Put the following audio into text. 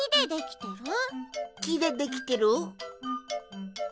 きでできてる？